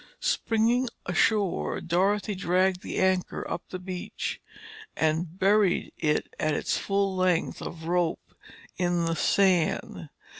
Springing ashore, Dorothy dragged the anchor up the beach and buried it at its full length of rope in the sand.